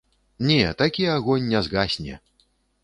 Не, такі агонь не згасне.